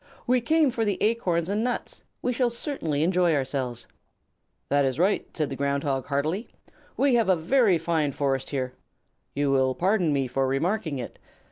"We came for the acorns and nuts. We shall certainly enjoy ourselves." "That is right," said the Ground Hog heartily. "We have a very fine forest here. You will pardon me for remarking it.